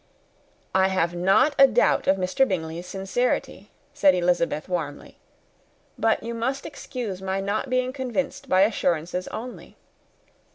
"I have not a doubt of Mr. Bingley's sincerity," said Elizabeth warmly, "but you must excuse my not being convinced by assurances only.